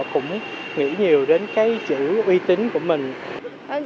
cũng nghĩ nhiều đến cái chữ uy tín của mình